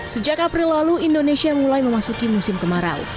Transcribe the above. sejak april lalu indonesia mulai memasuki musim kemarau